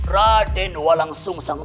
raden walau susah